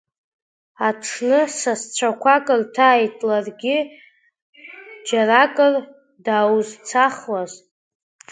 Аҽны сасцәақәак рҭааит, ларгьы џьаракыр даузцахуаз.